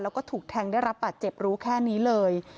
แล้วก็ถูกแทงได้รับบาดเจ็บรู้แค่นี้เลย